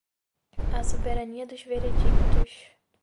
a soberania dos veredictos;